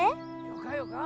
よかよか。